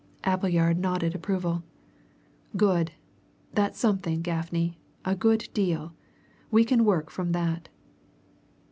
Appleyard nodded approval. "Good!" he said. "That's something, Gaffney a good deal. We can work on from that."